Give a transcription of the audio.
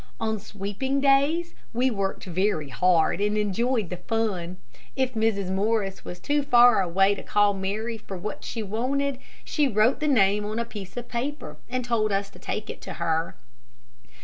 On sweeping days we worked very hard, and enjoyed the fun. If Mrs. Morris was too far away to call to Mary for what she wanted, she wrote the name on a piece of paper, and told us to take it to her.